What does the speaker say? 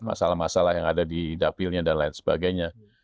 masalah masalah yang ada di dapilnya dan lain sebagainya